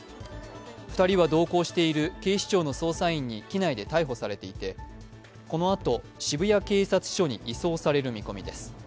２人は同行している警視庁の捜査員に機内で逮捕されていてこのあと、渋谷警察署に移送される見込みです。